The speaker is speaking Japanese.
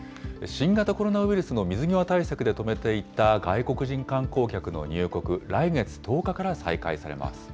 新型コロナウイルスの水際対策で止めていた外国人観光客の入国、来月１０日から再開されます。